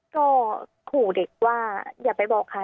ก็ขอเด็กว่าอย่าไปบอกค่ะ